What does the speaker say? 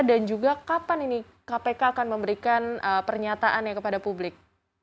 dan juga kapan ini kpk akan memberikan pernyataannya kepada publik